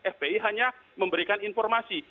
fpi hanya memberikan informasi